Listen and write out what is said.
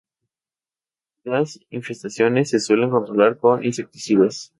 Las infestaciones se suelen controlar con insecticidas.